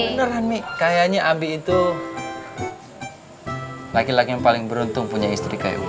beneran mik kayaknya abi itu laki laki yang paling beruntung punya istri kayak bu